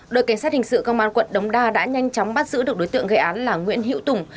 đội cảnh sát hình sự công an quận đống đa đã nhanh chóng bắt giữ được đối tượng gây án là nguyễn hữu tùng